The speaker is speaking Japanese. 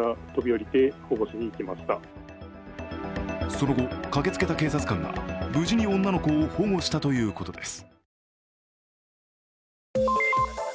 その後、駆けつけた警察官が無事に女の子を保護したということです。